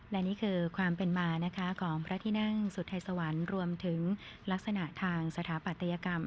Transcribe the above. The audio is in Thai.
และนี่คือความเป็นมานะคะของพระที่นั่งสุทัยสวรรค์รวมถึงลักษณะทางสถาปัตยกรรม